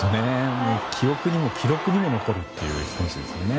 記憶にも記録にも残る選手ですね。